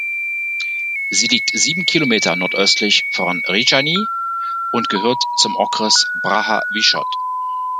Sie liegt sieben Kilometer nordöstlich von Říčany und gehört zum Okres Praha-východ.